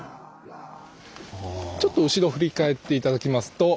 ちょっと後ろ振り返って頂きますと。